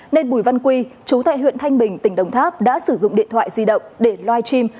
nên bùi văn quy chú tại huyện thanh bình tỉnh đồng tháp đã sử dụng điện thoại di động để live stream